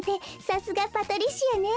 さすがパトリシアね。